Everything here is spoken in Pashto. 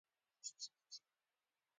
انیلا راته ژړل چې هسې نه مړ شې